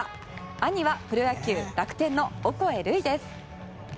兄はプロ野球楽天のオコエ瑠偉です。